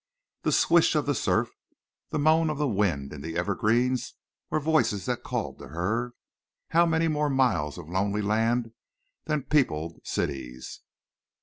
The swish of the surf, the moan of the wind in the evergreens, were voices that called to her. How many more miles of lonely land than peopled cities!